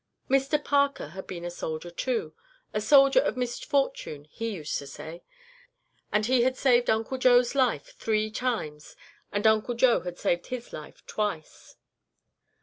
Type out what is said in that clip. Mr Parker had been a soldier too a soldier of misfortune, he used to say and he had saved Uncle Joe's life three times, and Uncle Joe had saved his life twice.